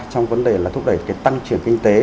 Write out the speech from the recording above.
trong vấn đề là thúc đẩy tăng trưởng kinh tế